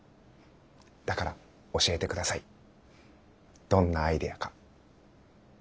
だから教えて下さいどんなアイデアか。